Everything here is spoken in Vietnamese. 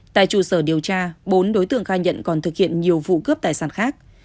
tại trụ sở điều tra bốn đối tượng khai nhận còn thực hiện nhiều vụ cướp tài sản khác